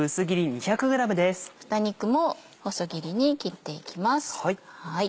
豚肉も細切りに切っていきます。